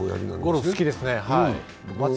ゴルフ好きですね。